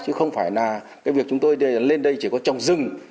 chứ không phải là cái việc chúng tôi lên đây chỉ có trồng rừng